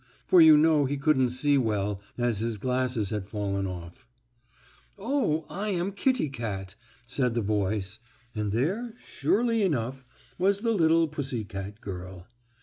For you know he couldn't see well, as his glasses had fallen off. "Oh, I am Kittie Kat," said the voice, and there, surely enough, was the little pussy girl.